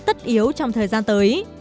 tất yếu trong thời gian tới